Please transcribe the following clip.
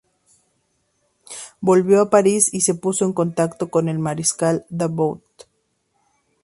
Volvió a París y se puso en contacto con el Mariscal Davout.